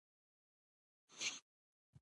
دا کعبه نه ده چې بې سر و پښې طواف ته راشې.